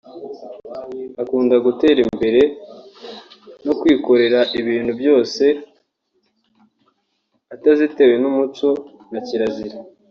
akunda gutera imbere no kwikorera ibintu byose atazitiwe n’umuco na kirazira